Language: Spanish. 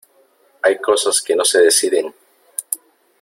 hay cosas que no se deciden .